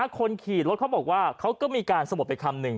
คนขี่รถเขาบอกว่าเขาก็มีการสะบดไปคำหนึ่ง